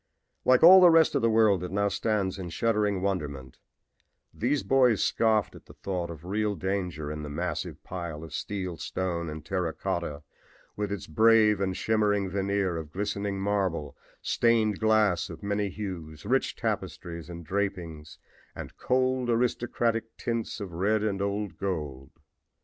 Like all the rest of the world that now stands in shuddering wonderment, these boys scoffed at the thought of real danger in the massive pile of steel, stone and terra cotta, with its brave and shimmering veneer of glistening marble, stained glass of many hues, rich tapestries and drapings, and cold, aristocratic tints of red and old gold.